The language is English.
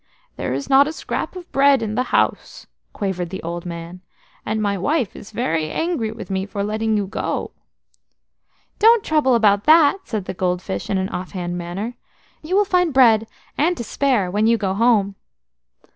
"There is not a scrap of bread in the house," quavered the old man, "and my wife is very angry with me for letting you go." "Don't trouble about that!" said the gold fish in an offhand manner; "you will find bread, and to spare, when you go home."